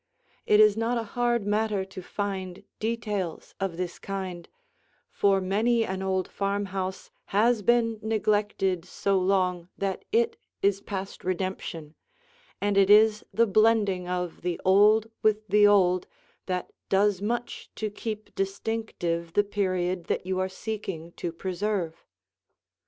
It is not a hard matter to find details of this kind, for many an old farmhouse has been neglected so long that it is past redemption, and it is the blending of the old with the old that does much to keep distinctive the period that you are seeking to preserve.